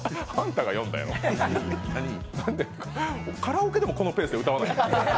カラオケでもこのペースで歌わない。